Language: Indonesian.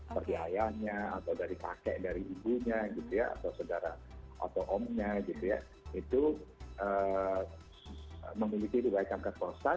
perdayanya atau dari kakek dari ibunya gitu ya atau sedara atau omnya gitu ya itu memiliki riwayat kanker prostat